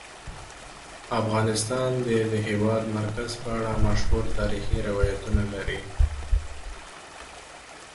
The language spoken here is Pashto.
افغانستان د د هېواد مرکز په اړه مشهور تاریخی روایتونه لري.